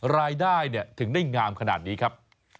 รายได้ถึงได้งามขนาดนี้ครับ